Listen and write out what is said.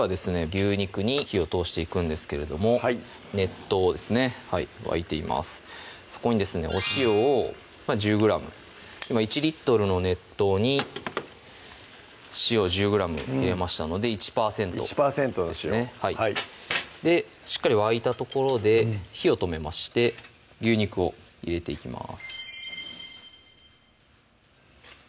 牛肉に火を通していくんですけれども熱湯ですね沸いていますそこにですねお塩を１０ｇ今１の熱湯に塩１０ｇ入れましたので１％１％の塩はいしっかり沸いたところで火を止めまして牛肉を入れていきます